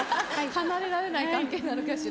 離れられない関係になるかしら。